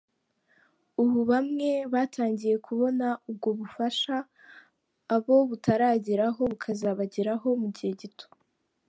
Ubu bamwe batangiye kubona ubwo bufasha, abo butarageraho bukazabageraho mugihe gito.